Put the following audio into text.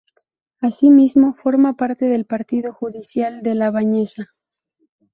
Asimismo forma parte del partido judicial de La Bañeza.